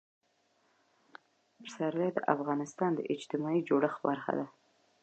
پسرلی د افغانستان د اجتماعي جوړښت برخه ده.